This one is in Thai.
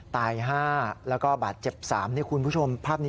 ตาย๕แล้วก็บาตเจ็บสามใช่ครับคุณผู้ชมภาพมิ